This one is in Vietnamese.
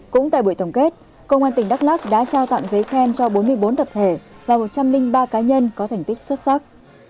cũng tại buổi tổng kết công an tỉnh đắk lắc đã trao tặng giấy khen cho bốn mươi bốn tập thể và một trăm linh ba cá nhân có thành tích xuất sắc